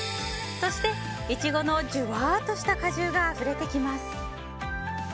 そして、イチゴのジュワーッとした果汁があふれてきます。